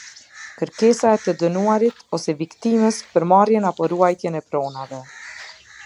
Kërkesa e të dëmtuarit ose viktimës për marrjen apo ruajtjen e provave.